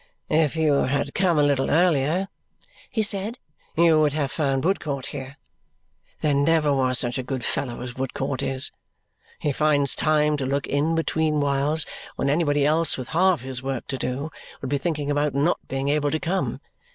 "If you had come a little earlier," he said, "you would have found Woodcourt here. There never was such a good fellow as Woodcourt is. He finds time to look in between whiles, when anybody else with half his work to do would be thinking about not being able to come.